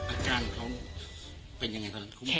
อาการเขาเป็นยังไงครับ